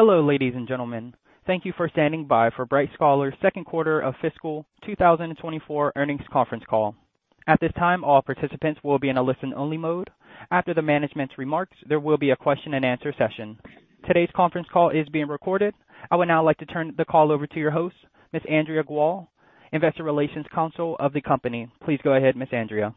Hello, ladies and gentlemen. Thank you for standing by for Bright Scholar's second quarter of fiscal 2024 earnings conference call. At this time, all participants will be in a listen-only mode. After the management's remarks, there will be a question and answer session. Today's conference call is being recorded. I would now like to turn the call over to your host, Miss Andrea Guo, investor relations counsel of the company. Please go ahead, Miss Andrea.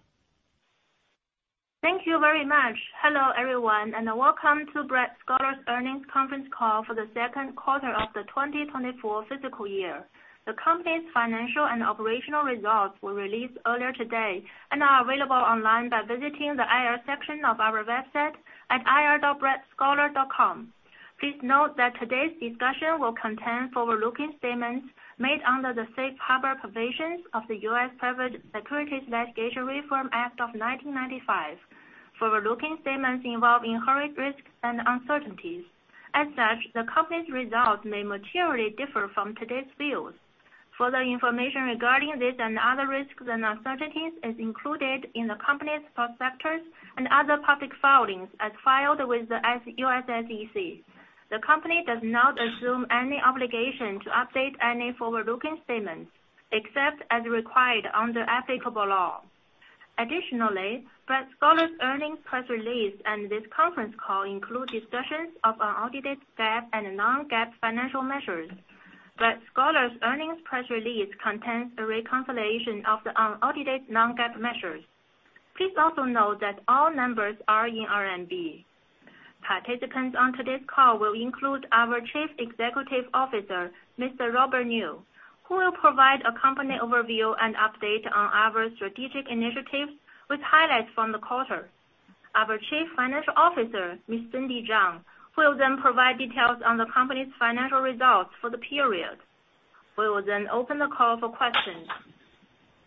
Thank you very much. Hello, everyone, and welcome to Bright Scholar's Earnings Conference Call for the second quarter of the 2024 fiscal year. The company's financial and operational results were released earlier today and are available online by visiting the IR section of our website at ir.brightscholar.com. Please note that today's discussion will contain forward-looking statements made under the Safe Harbor Provisions of the U.S. Private Securities Litigation Reform Act of 1995. Forward-looking statements involve inherent risks and uncertainties. As such, the company's results may materially differ from today's views. Further information regarding this and other risks and uncertainties is included in the company's prospectus and other public filings as filed with the U.S. SEC. The company does not assume any obligation to update any forward-looking statements, except as required under applicable law. Additionally, Bright Scholar's earnings press release and this conference call include discussions of our audited GAAP and Non-GAAP financial measures. Bright Scholar's earnings press release contains a reconciliation of the audited Non-GAAP measures. Please also note that all numbers are in RMB. Participants on today's call will include our Chief Executive Officer, Mr. Ruolei Niu, who will provide a company overview and update on our strategic initiatives, with highlights from the quarter. Our Chief Financial Officer, Miss Cindy Zhang, will then provide details on the company's financial results for the period. We will then open the call for questions.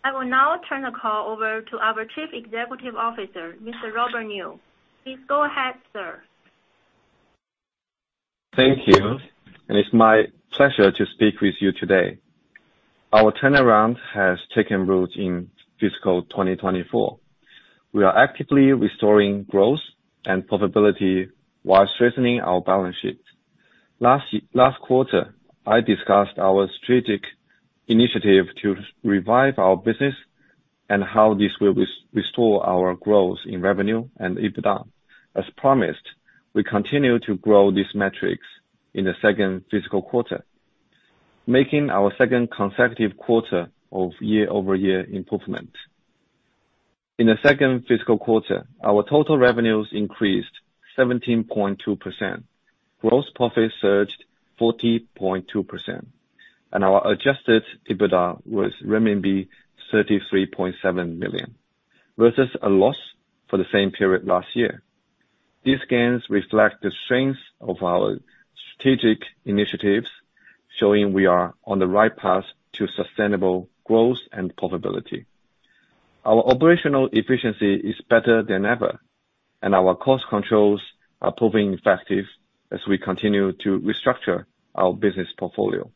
I will now turn the call over to our Chief Executive Officer, Mr. Ruolei Niu. Please go ahead, sir. Thank you, and it's my pleasure to speak with you today. Our turnaround has taken root in fiscal 2024. We are actively restoring growth and profitability while strengthening our balance sheet. Last quarter, I discussed our strategic initiative to revive our business and how this will restore our growth in revenue and EBITDA. As promised, we continue to grow these metrics in the second fiscal quarter, making our second consecutive quarter of year-over-year improvement. In the second fiscal quarter, our total revenues increased 17.2%, gross profit surged 40.2%, and our adjusted EBITDA was renminbi 33.7 million, versus a loss for the same period last year. These gains reflect the strength of our strategic initiatives, showing we are on the right path to sustainable growth and profitability. Our operational efficiency is better than ever, and our cost controls are proving effective as we continue to restructure our business portfolio.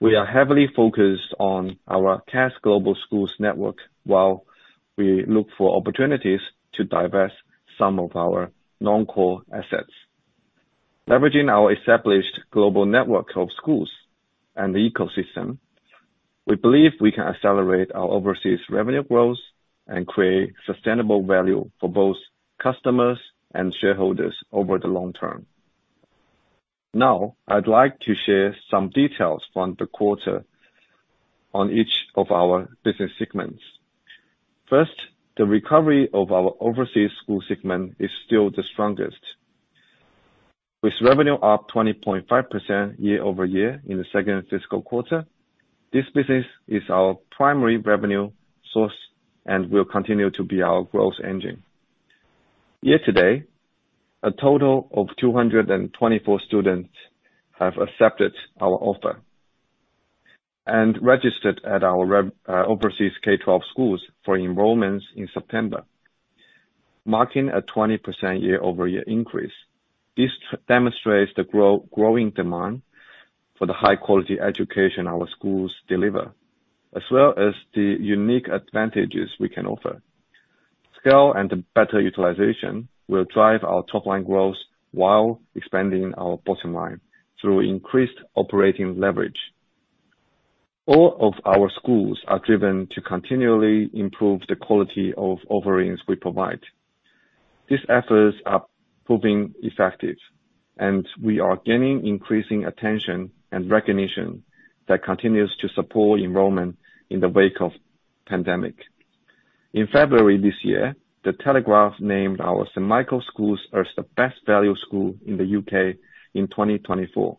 We are heavily focused on our CATS Global Schools network while we look for opportunities to divest some of our non-core assets. Leveraging our established global network of schools and ecosystem, we believe we can accelerate our overseas revenue growth and create sustainable value for both customers and shareholders over the long term. Now, I'd like to share some details from the quarter on each of our business segments. First, the recovery of our overseas school segment is still the strongest, with revenue up 20.5% year-over-year in the second fiscal quarter. This business is our primary revenue source and will continue to be our growth engine. Year to date, a total of 224 students have accepted our offer and registered at our overseas K-12 schools for enrollments in September, marking a 20% year-over-year increase. This demonstrates the growing demand for the high-quality education our schools deliver, as well as the unique advantages we can offer. Scale and better utilization will drive our top line growth while expanding our bottom line through increased operating leverage. All of our schools are driven to continually improve the quality of offerings we provide. These efforts are proving effective, and we are gaining increasing attention and recognition that continues to support enrollment in the wake of pandemic. In February this year, The Telegraph named our St. Michael's School as the best value school in the U.K. in 2024.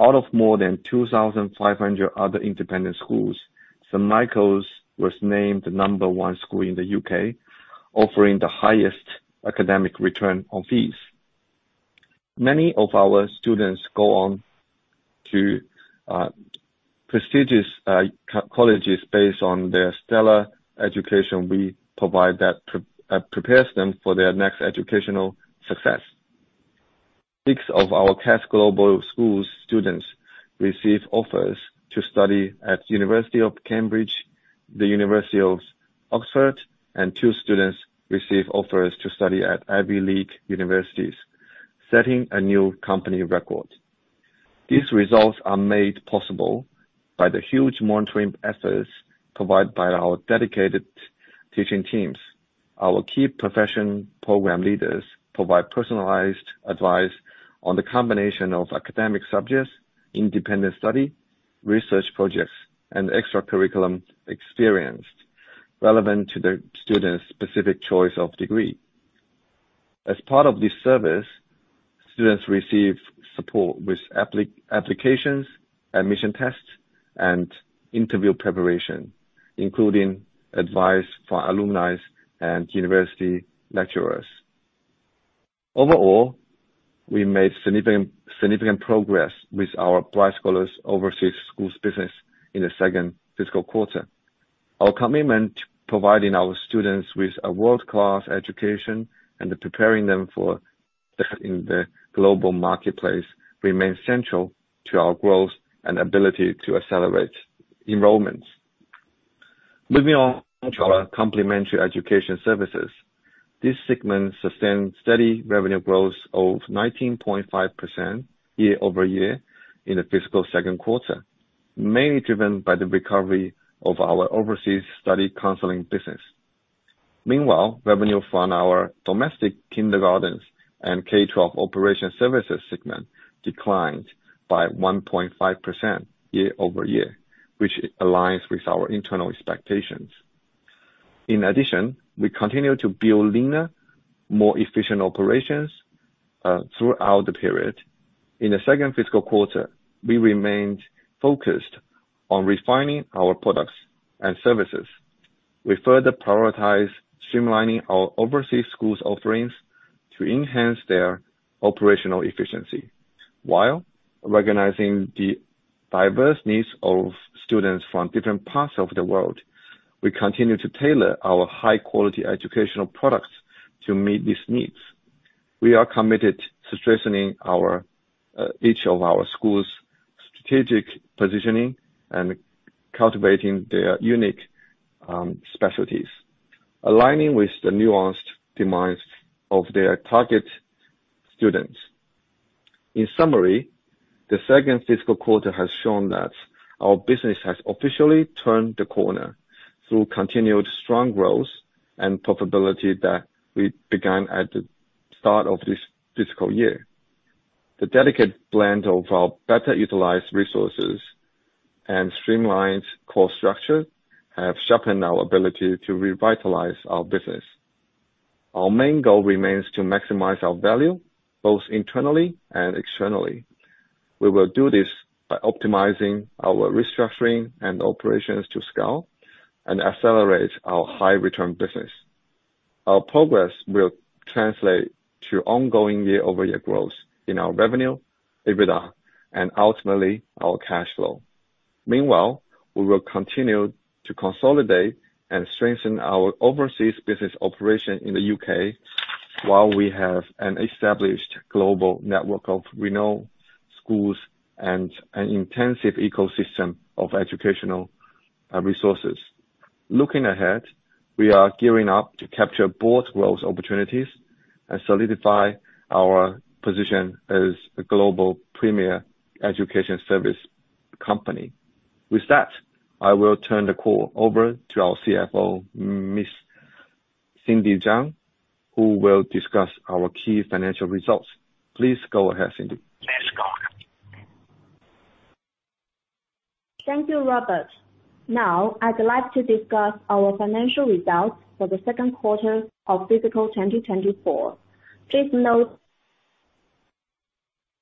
Out of more than 2,500 other independent schools, St. Michael's was named the number one school in the U.K, offering the highest academic return on fees. Many of our students go on to prestigious colleges based on their stellar education we provide that prepares them for their next educational success. Six of our CATS Global Schools students received offers to study at the University of Cambridge, the University of Oxford, and two students received offers to study at Ivy League universities, setting a new company record. These results are made possible by the huge mentoring efforts provided by our dedicated teaching teams. Our Key Professions Program leaders provide personalized advice on the combination of academic subjects, independent study, research projects, and extracurricular experience relevant to the students' specific choice of degree. As part of this service, students receive support with applications, admission tests, and interview preparation, including advice from alumni and university lecturers. Overall, we made significant, significant progress with our Bright Scholar's Overseas Schools business in the second fiscal quarter. Our commitment to providing our students with a world-class education and preparing them for success in the global marketplace remains central to our growth and ability to accelerate enrollments. Moving on to our Complementary Education Services, this segment sustained steady revenue growth of 19.5% year-over-year in the fiscal second quarter, mainly driven by the recovery of our Overseas Study Counseling business. Meanwhile, revenue from our Domestic Kindergartens and K-12 Operation Services segment declined by 1.5% year-over-year, which aligns with our internal expectations. In addition, we continue to build leaner, more efficient operations throughout the period. In the second fiscal quarter, we remained focused on refining our products and services. We further prioritize streamlining our overseas schools offerings to enhance their operational efficiency, while recognizing the diverse needs of students from different parts of the world. We continue to tailor our high quality educational products to meet these needs. We are committed to strengthening our each of our school's strategic positioning and cultivating their unique specialties, aligning with the nuanced demands of their target students. In summary, the second fiscal quarter has shown that our business has officially turned the corner through continued strong growth and profitability that we began at the start of this fiscal year. The dedicated blend of our better utilized resources and streamlined cost structure have sharpened our ability to revitalize our business. Our main goal remains to maximize our value, both internally and externally. We will do this by optimizing our restructuring and operations to scale and accelerate our high return business. Our progress will translate to ongoing year-over-year growth in our revenue, EBITDA, and ultimately our cash flow. Meanwhile, we will continue to consolidate and strengthen our overseas business operation in the U.K., while we have an established global network of renowned schools and an intensive ecosystem of educational resources. Looking ahead, we are gearing up to capture both growth opportunities and solidify our position as a global premier education service company. With that, I will turn the call over to our CFO, Miss Cindy Zhang, who will discuss our key financial results. Please go ahead, Cindy. Thank you, Ruolei. Now, I'd like to discuss our financial results for the second quarter of fiscal 2024. Please note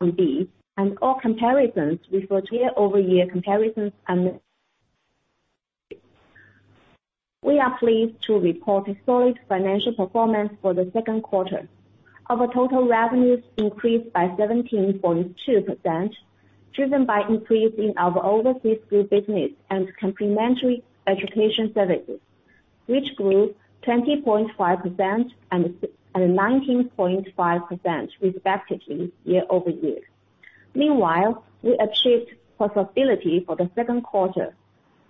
that all comparisons refer to year-over-year comparisons. We are pleased to report a solid financial performance for the second quarter. Our total revenues increased by 17.2%, driven by increase in our overseas school business and complementary education services, which grew 20.5% and 19.5% respectively, year-over-year. Meanwhile, we achieved profitability for the second quarter,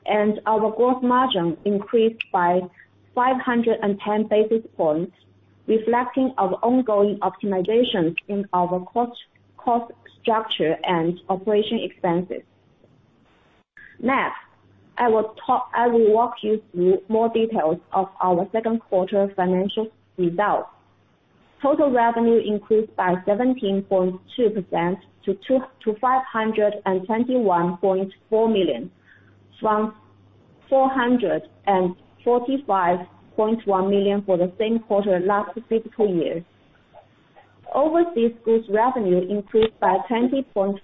and our gross margin increased by 510 basis points, reflecting our ongoing optimization in our cost structure and operating expenses. Next, I will walk you through more details of our second quarter financial results. Total revenue increased by 17.2% to 521.4 million, from 445.1 million for the same quarter last fiscal year. Overseas schools revenue increased by 20.5%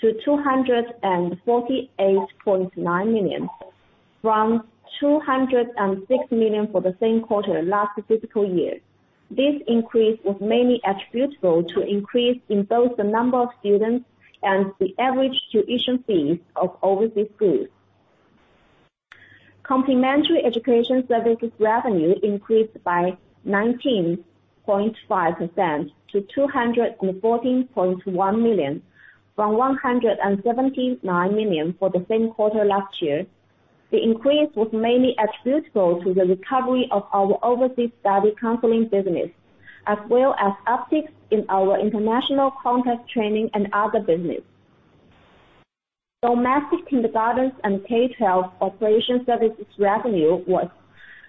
to 248.9 million, from 206 million for the same quarter last fiscal year. This increase was mainly attributable to increase in both the number of students and the average tuition fees of overseas schools. Complementary education services revenue increased by 19.5% to 214.1 million, from 179 million for the same quarter last year. The increase was mainly attributable to the recovery of our overseas study counseling business, as well as upticks in our international contest training and other business. Domestic Kindergartens and K-12 Operation Services revenue was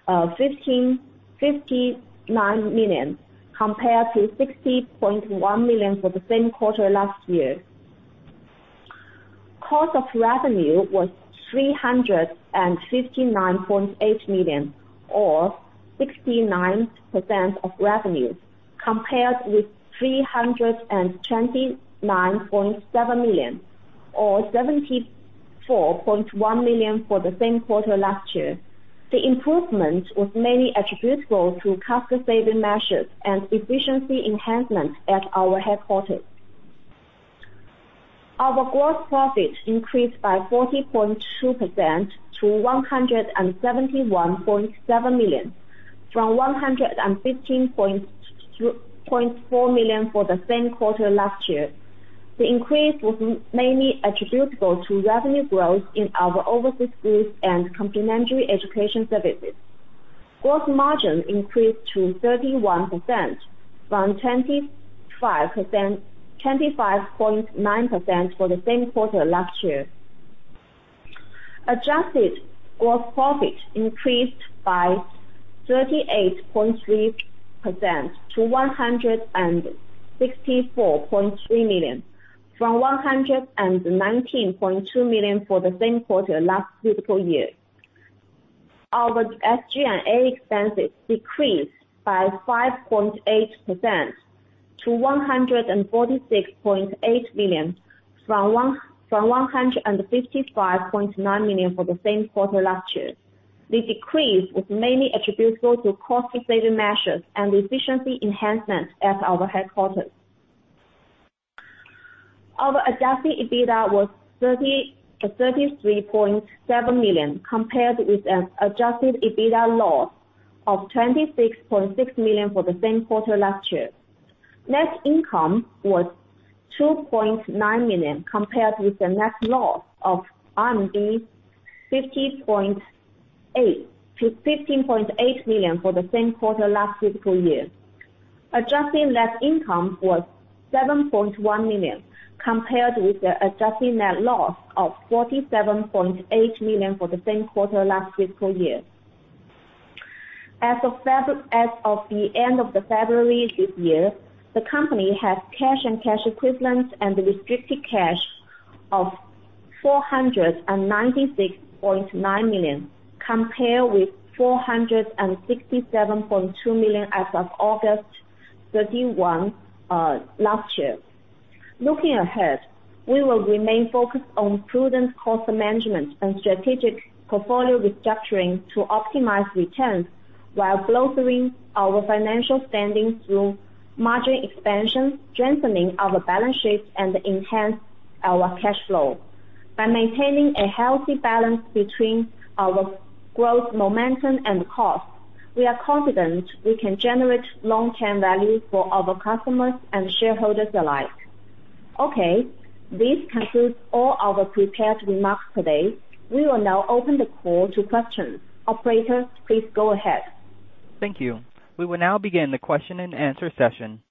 15.9 million, compared to 60.1 million for the same quarter last year. Cost of revenue was 359.8 million, or 69% of revenue, compared with 329.7 million, or 74.1% for the same quarter last year. The improvement was mainly attributable to cost-saving measures and efficiency enhancements at our headquarters. Our gross profit increased by 40.2% to 171.7 million, from 115.4 million for the same quarter last year. The increase was mainly attributable to revenue growth in our overseas group and complementary education services. Gross margin increased to 31% from 25%, 25.9% for the same quarter last year. Adjusted gross profit increased by 38.3% to 164.3 million, from RMB 119.2 million for the same quarter last fiscal year. Our SG&A expenses decreased by 5.8% to 146.8 million, from 155.9 million for the same quarter last year. The decrease was mainly attributable to cost-saving measures and efficiency enhancements at our headquarters. Our adjusted EBITDA was 33.7 million, compared with an adjusted EBITDA loss of 26.6 million for the same quarter last year. Net income was RMB 2.9 million, compared with the net loss of 50.8 million-15.8 million for the same quarter last fiscal year. Adjusted net income was 7.1 million, compared with the adjusted net loss of 47.8 million for the same quarter last fiscal year. As of the end of February this year, the company has cash and cash equivalents and restricted cash of 496.9 million, compared with 467.2 million as of August 31st last year. Looking ahead, we will remain focused on prudent cost management and strategic portfolio restructuring to optimize returns while bolstering our financial standing through margin expansion, strengthening our balance sheets, and enhance our cash flow. By maintaining a healthy balance between our growth, momentum, and cost, we are confident we can generate long-term value for our customers and shareholders alike. Okay, this concludes all our prepared remarks today. We will now open the call to questions. Operator, please go ahead. Thank you. We will now begin the question-and-answer session.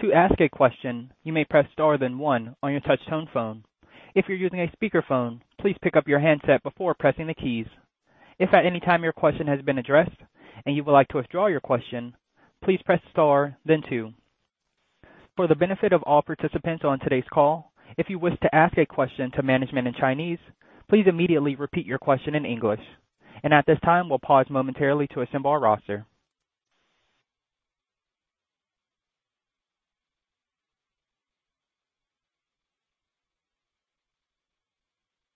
To ask a question, you may press star then one on your touchtone phone. If you're using a speakerphone, please pick up your handset before pressing the keys. If at any time your question has been addressed and you would like to withdraw your question, please press star then two. For the benefit of all participants on today's call, if you wish to ask a question to management in Chinese, please immediately repeat your question in English. And at this time, we'll pause momentarily to assemble our roster.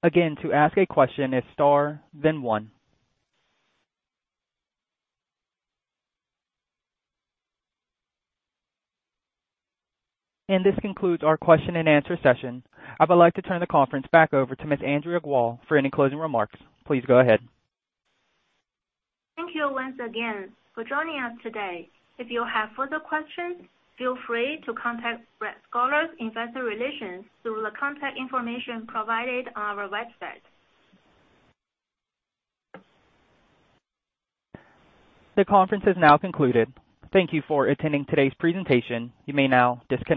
Again, to ask a question, it's star then one. And this concludes our question-and-answer session. I would like to turn the conference back over to Ms. Andrea Guo for any closing remarks. Please go ahead. Thank you once again for joining us today. If you have further questions, feel free to contact Bright Scholar Investor Relations through the contact information provided on our website. The conference is now concluded. Thank you for attending today's presentation. You may now disconnect.